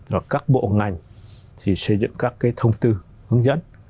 rồi các bộ ngành thì xây dựng các cái thông tư hướng dẫn